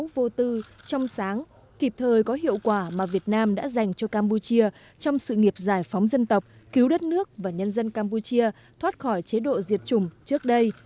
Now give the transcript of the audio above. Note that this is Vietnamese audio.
vô tư trong sáng kịp thời có hiệu quả mà việt nam đã dành cho campuchia trong sự nghiệp giải phóng dân tộc cứu đất nước và nhân dân campuchia thoát khỏi chế độ diệt chủng trước đây